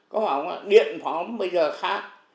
có bảo điện bảo bây giờ khác